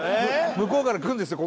向こうから来るんですよ